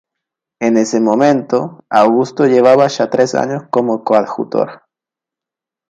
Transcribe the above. En ese momento, Augusto llevaba ya tres años como coadjutor.